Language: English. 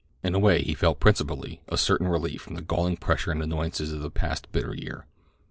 In a way he felt principally a certain relief from the galling pressure and annoyances of the past bitter year.